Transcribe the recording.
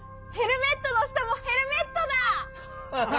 ヘルメットの下もヘルメットだ！